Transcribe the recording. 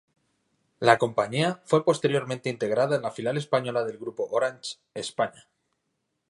La compañía fue posteriormente integrada en la filial española del grupo Orange España.